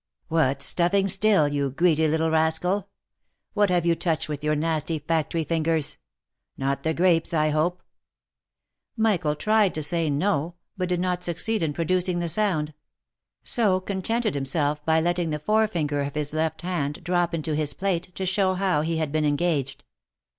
" What stuffing still, you greedy little rascal ? What have you touched with your nasty factory fingers ? Not the grapes, I hope V Michael tried to say " no," but did not succeed in producing the sound ; so contented himself by letting the forefinger of his left hand drop into his plate to show how he had been engaged.